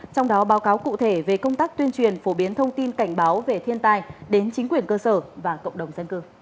trong đó báo cáo cụ thể về công tác tuyên truyền phổ biến thông tin cảnh báo về thiên tai đến chính quyền cơ sở và cộng đồng dân cư